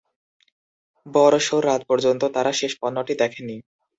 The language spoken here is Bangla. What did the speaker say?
বড় শোর রাত পর্যন্ত তারা শেষ পণ্যটি দেখেনি।